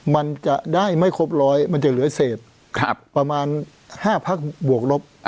มันจะได้ไม่ครบร้อยมันจะเหลือเศษประมาณ๕พักบวกลบ